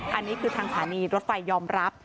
อันนี้คือทางสถานีรถไฟยอมรับ